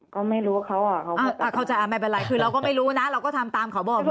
ก็ไม่รู้ว่าเขาอ่ะเขาจะไม่เป็นไรคือเราก็ไม่รู้นะเราก็ทำตามเขาบอกด้วย